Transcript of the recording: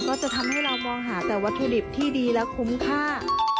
ก็จะทำให้เรามองหาแต่วัตถุดิบที่ดีและคุ้มค่า